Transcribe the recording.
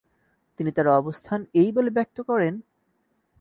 তিনি তার অবস্থান এই বলে ব্যক্ত করেন: